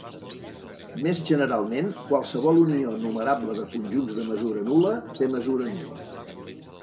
Més generalment, qualsevol unió numerable de conjunts de mesura nul·la té mesura nul·la.